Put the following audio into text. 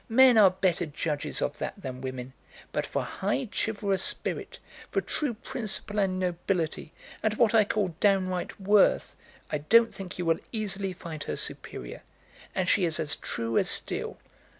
Men are better judges of that than women; but for high, chivalrous spirit, for true principle and nobility, and what I call downright worth, I don't think you will easily find her superior. And she is as true as steel."